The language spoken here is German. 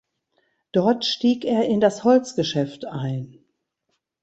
Dort stieg er in das Holzgeschäft ein.